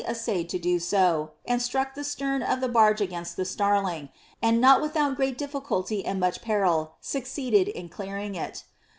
essayed to do so, and struck the stem of the barge against the starling, and not without great difficulty and much peril succeeded in clearing it.